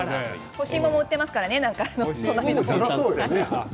干し芋も売っていますからね隣に。